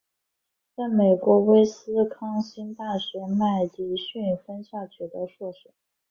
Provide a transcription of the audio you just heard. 在美国威斯康辛大学麦迪逊分校取得硕士。